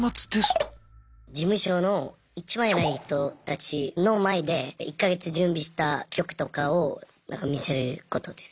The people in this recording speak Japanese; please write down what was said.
事務所のいちばんえらい人たちの前で１か月準備した曲とかを見せることです。